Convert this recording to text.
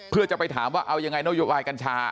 เพื่อจะไปถามว่าเอายังไงนโยบายกัญชา